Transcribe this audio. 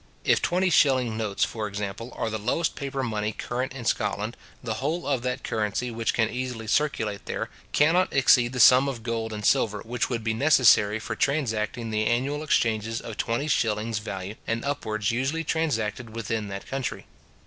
If twenty shilling notes, for example, are the lowest paper money current in Scotland, the whole of that currency which can easily circulate there, cannot exceed the sum of gold and silver which would be necessary for transacting the annual exchanges of twenty shillings value and upwards usually transacted within that country.